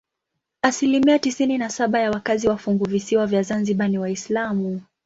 Asilimia tisini na saba ya wakazi wa funguvisiwa vya Zanzibar ni Waislamu.